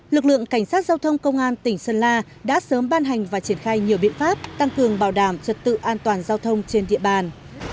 lực lượng cảnh sát giao thông công an tỉnh sơn la đã sớm ban hành và triển khai nhiều biện pháp tăng cường bảo đảm trật tự an toàn giao thông trên địa bàn